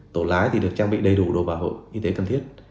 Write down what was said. tổ lái thì được trang bị đầy đủ đồ bảo hộ y tế cần thiết